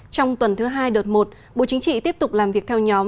trong tuần thứ hai đợt một bộ chính trị tiếp tục làm việc theo nhóm